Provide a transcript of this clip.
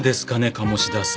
鴨志田さん。